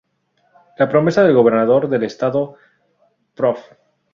La promesa del gobernador del estado Profr.